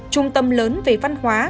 trung tâm lớn về văn hóa